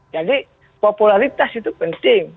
jadi popularitas itu penting